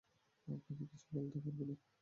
আপনাকে কিছু বলতে পারবো না আমি।